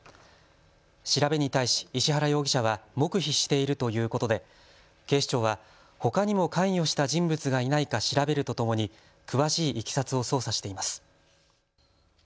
調べに対し石原容疑者は黙秘しているということで警視庁はほかにも関与した人物がいないか調べるとともに詳しいいきさつを捜査しています。